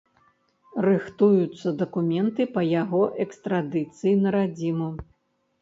Рыхтуюцца дакументы па яго экстрадыцыі на радзіму.